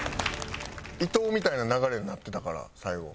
伊藤みたいな流れになってたから最後。